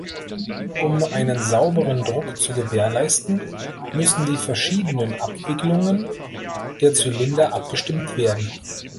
Um einen sauberen Druck zu gewährleisten müssen die verschiedenen Abwicklungen der Zylinder abgestimmt werden.